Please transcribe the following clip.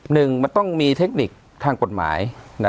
หนึ่งมันต้องมีเทคนิคทางกฎหมาย